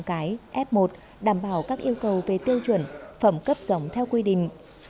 bò cải f một đảm bảo các yêu cầu về tiêu chuẩn phẩm cấp dòng theo quy định